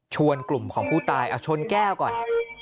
กลุ่มของผู้ตายเอาชนแก้วก่อน